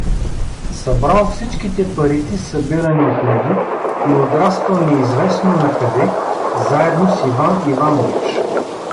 Събрал всичките парици, събирани от него, и одраскал неизвестно накъде заедно с Иван Иванович.